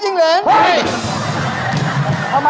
จับข้าว